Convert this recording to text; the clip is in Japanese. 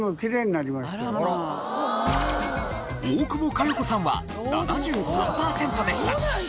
大久保佳代子さんは７３パーセントでした。